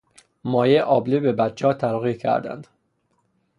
مایهٔ آبله به بچه ها تلقیح کردند.